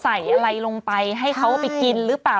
ใส่อะไรลงไปให้เขาไปกินหรือเปล่า